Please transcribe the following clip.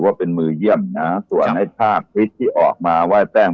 ว่าเป็นมือเยี่ยมนะส่วนไอ้ภาพคลิปที่ออกมาไหว้แต้ม